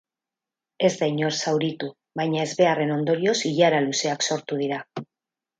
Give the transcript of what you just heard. Ez da inor zauritu, baina ezbeharren ondorioz ilara luzeak sortu dira.